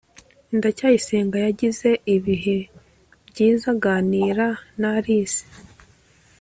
ndacyayisenga yagize ibihe byiza aganira na alice